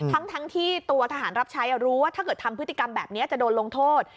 ทั้งที่ตัวทหารรับใช้รู้ว่าถ้าเกิดทำพฤติกรรมแบบนี้จะโดนลงโทษ